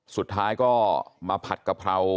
สุดท้ายก็มาผัดกะเพรา